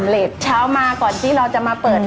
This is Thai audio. การที่บูชาเทพสามองค์มันทำให้ร้านประสบความสำเร็จ